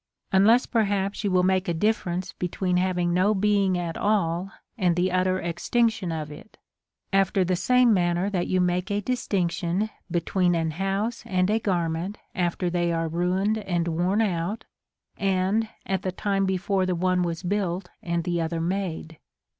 Unless perhaps you will make a difference between having no being at all and the utter ex tinction of it, after the same manner that you make a distinction between an house and a garment after they are ruined and worn out, and at the time before the one was built and the other made.